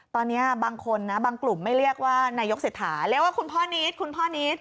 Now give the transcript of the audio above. ตอนนี้บางคนนะบางกลุ่มไม่เรียกว่านายกเศรษฐาเรียกว่าคุณพ่อนิดคุณพ่อนิด